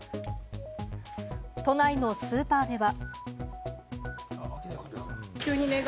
都内のスーパーでは。